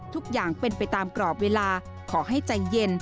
ทุกอย่างเป็นไปตามกรอบเวลาขอให้ใจเย็น